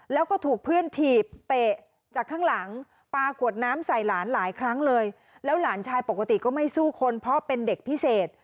แล้วหลานชายปกติก็ไม่สู้คนเพราะเป็นเด็กพิเศษ